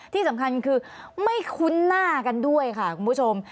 ที่สำคัญคือไม่คุ้นหน้ากันด้วยค่ะคุณผู้ชม